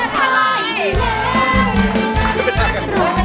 โรงเป็นไรโรงเป็นไร